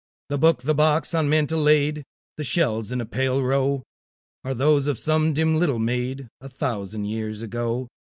The book, the box on mantel laid, The shells in a pale row, Are those of some dim little maid, A thousand years ago.